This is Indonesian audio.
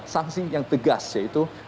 sanksi yang tegas yaitu